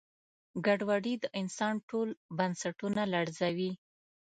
ګډوډي د انسان ټول بنسټونه لړزوي.